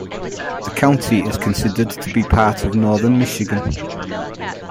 The county is considered to be part of Northern Michigan.